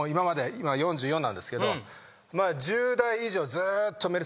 今４４なんですけど。